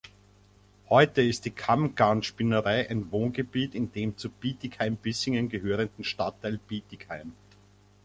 Heute ist die Kammgarnspinnerei ein Wohngebiet in dem zu Bietigheim-Bissingen gehörenden Stadtteil Bietigheim.